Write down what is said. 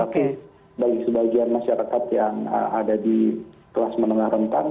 tapi bagi sebagian masyarakat yang ada di kelas menengah rentan